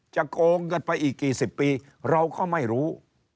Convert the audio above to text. โกงกันไปอีกกี่สิบปีเราก็ไม่รู้